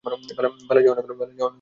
বেলা যে অনেক হল।